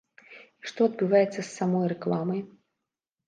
І што адбываецца з самой рэкламай?